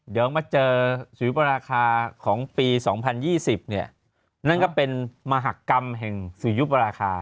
เดี๋ยวมาเจอสุริยุปราคาของปี๒๐๒๐เนี่ยนั่นก็เป็นมหากรรมแห่งสุริยุปราคา